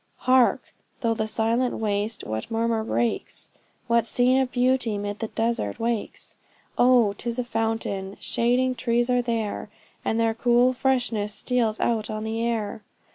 Hark! through the silent waste, what murmur breaks? What scene of beauty 'mid the desert wakes? Oh! 'tis a fountain! shading trees are there. And their cool freshness steals out on the air!